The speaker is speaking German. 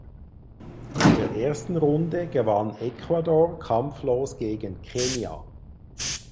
In der ersten Runde gewann Ecuador kampflos gegen Kenia.